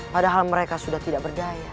padahal mereka sudah tidak berdaya